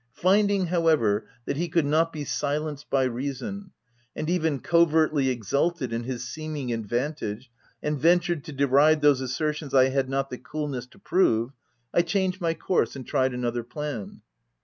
Finding, however, that he could not be silenced by reason, and even covertly exulted in his seeming advantage, and ventured to deride those assertions I had not the coolness to prove, I changed my course and tried another plan.